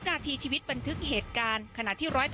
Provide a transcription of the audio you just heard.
นักจิตเจ็บหรือนักจิต